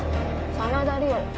「真田梨央